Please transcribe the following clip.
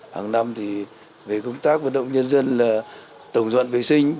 hàng năm thì về công tác vận động nhân dân là tổng dọn vệ sinh